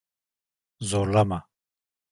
Zorlama…